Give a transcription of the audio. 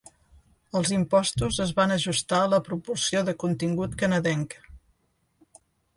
Els impostos es van ajustar a la proporció de contingut canadenc.